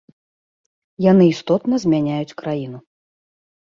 Яны істотна змяняюць краіну.